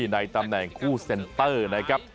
ในตำแหน่งคู่เซ็นเตอร์นะครับ